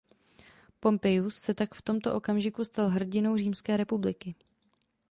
Pompeius se tak v tomto okamžiku stal hrdinou římské republiky.